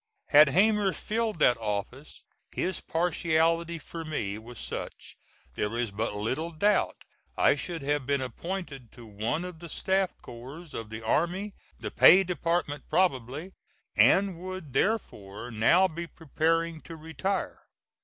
Had Hamer filled that office his partiality for me was such, there is but little doubt I should have been appointed to one of the staff corps of the army the Pay Department probably and would therefore now be preparing to retire.